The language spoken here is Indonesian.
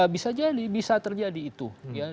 bisa jadi bisa terjadi itu